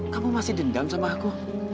kamu masih dendam sama aku